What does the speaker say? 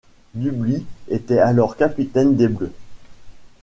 Dubly était alors capitaine des Bleus.